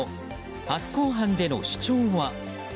初公判での主張は？